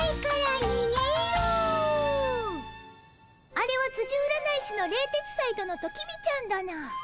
あれはつじ占い師の冷徹斎殿と公ちゃん殿。